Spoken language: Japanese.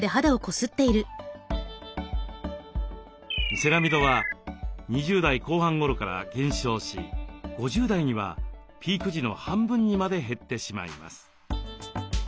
セラミドは２０代後半頃から減少し５０代にはピーク時の半分にまで減ってしまいます。